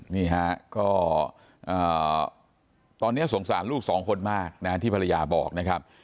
นี่ฮะก็ตอนนี้สงสารลูกสองคนมากนะที่ภรรยาบอกนะครับ